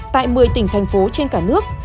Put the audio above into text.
tại một mươi tỉnh thành phố trên cả nước